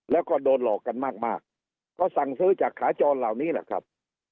แล้วก็โดนหลอกกันมากมากก็สั่งซื้อจากขาจรเหล่านี้แหละครับ